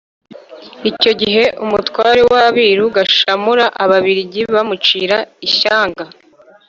icyo gihe umutware w'abiru Gashamura Ababiligi bamucira ishyanga